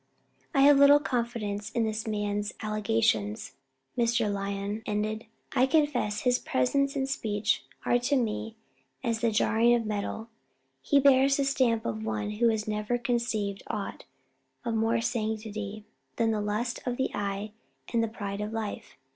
"I have little confidence in this man's allegations," Mr. Lyon ended. "I confess his presence and speech are to me as the jarring of metal. He bears the stamp of one who has never conceived aught of more sanctity than the lust of the eye and the pride of life.